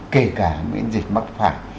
kể cả miễn dịch mắc khoảng